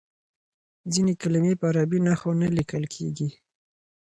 ځینې کلمې په عربي نښو نه لیکل کیږي.